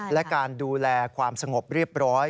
และการดูแลความสงบเรียบร้อย